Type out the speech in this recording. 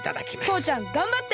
とうちゃんがんばって！